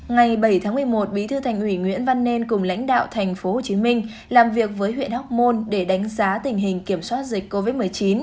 ngày bảy tháng một mươi một bí thư thành ủy nguyễn văn nên cùng lãnh đạo tp hcm làm việc với huyện hóc môn để đánh giá tình hình kiểm soát dịch covid một mươi chín